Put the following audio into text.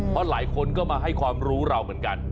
เพราะหลายคนก็มาให้ความรู้เราเหมือนกัน